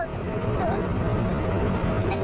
ก็บ้านกี่คนครับกับนั้น